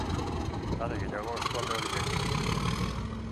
Are gehiago, eskualde horiek.